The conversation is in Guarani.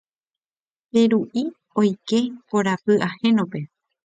Peru'i oike korapy ahénope.